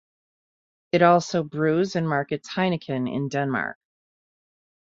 It also brews and markets Heineken in Denmark.